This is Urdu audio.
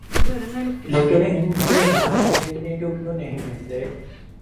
لیکن ان پہ ناچ دیکھنے کو کیوں نہیں ملتے؟